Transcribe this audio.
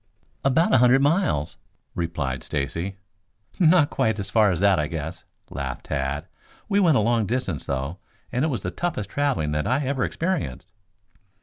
"'Bout a hundred miles," replied Stacy. "Not quite so far as that, I guess," laughed Tad. "We went a long distance, though, and it was the toughest traveling that I ever experienced."